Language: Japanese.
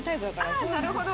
ああなるほど！